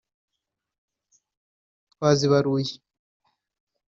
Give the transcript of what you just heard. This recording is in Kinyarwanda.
twazibaruye